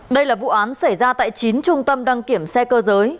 đây là vụ án xảy ra tại chín trung tâm đăng kiểm xe cơ giới